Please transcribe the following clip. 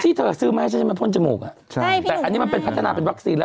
เธอซื้อมาให้ฉันใช่ไหมพ่นจมูกอ่ะใช่แต่อันนี้มันเป็นพัฒนาเป็นวัคซีนแล้ว